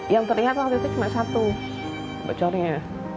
yang terlihat waktu itu cuma satu bocornya